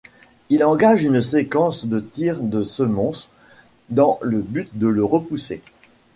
Ils engagent une séquence de tirs de semonce, dans le but de le repousser.